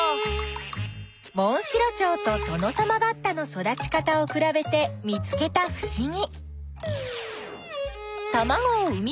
モンシロチョウとトノサマバッタの育ち方をくらべて見つけたふしぎ。